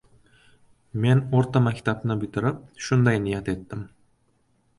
Men o‘rta maktabni bitirib, shunday niyat etdim: